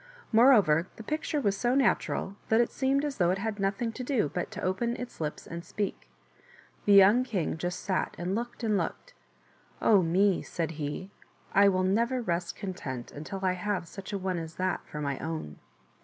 Moreover, the picture was so natural that it seemed as though it had nothing to do but to open its lips and speak. The young king just sat and looked and looked. " Oh me !" said he, " I will never rest content until I have such a one as that for my own."